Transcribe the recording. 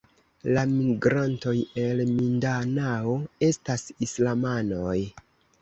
La migrantoj el Mindanao estas islamanoj.